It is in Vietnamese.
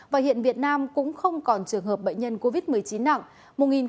và hiện việt nam cũng không còn trường hợp bệnh nhân covid một mươi chín nặng